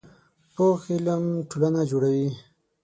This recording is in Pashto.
پوخ علم ټولنه جوړوي